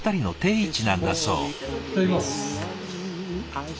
いただきます。